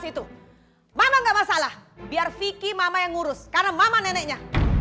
situ mama gak masalah biar vicky mama yang ngurus karena mama neneknya